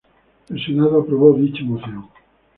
El Senado aprobó dicha moción.